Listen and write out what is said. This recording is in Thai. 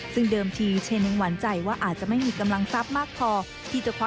ซึ่งเดิมที่เชนธนาหรือหวานใจ